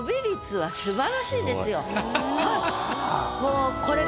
はい。